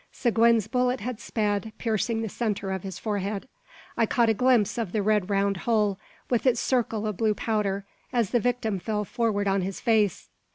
Seguin's bullet had sped, piercing the centre of his forehead. I caught a glimpse of the red round hole, with its circle of blue powder, as the victim tell forward on his face!